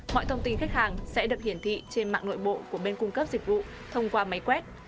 mọi thông tin khách hàng sẽ được hiển thị trên mạng nội bộ của bên cung cấp dịch vụ thông qua máy quét